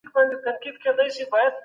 ځينې پوهان د مادې کلتور پلويان دي.